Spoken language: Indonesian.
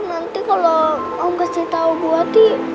nanti kalau om kasih tau bu ati